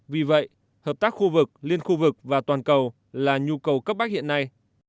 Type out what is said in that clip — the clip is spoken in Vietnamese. vì vậy hợp tác khu vực liên khu vực và toàn cầu là nhu cầu cấp bách hiện nay